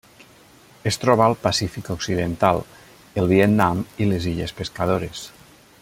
Es troba al Pacífic occidental: el Vietnam i les illes Pescadores.